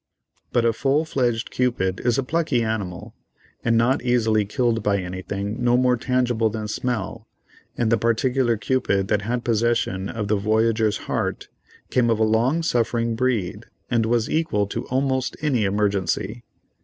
But a full fledged Cupid is a plucky animal, and not easily killed by anything no more tangible than smell, and the particular Cupid that had possession of the voyager's heart came of a long suffering breed, and was equal to almost any emergency.